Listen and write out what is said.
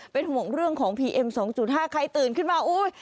เป็นห่วงเรื่องของพีเอ็มสองจุดห้าใครตื่นขึ้นมาอุ้ย